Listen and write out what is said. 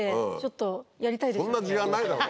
そんな時間ないだろう。